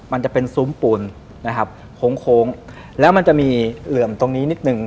มันจะเป็นซุ้มปูนนะครับโค้งโค้งแล้วมันจะมีเหลื่อมตรงนี้นิดหนึ่ง